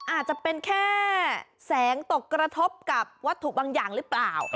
อาจจะเป็นแค่แสงตกกระทบกับวัตถุบางอย่างหรือเปล่า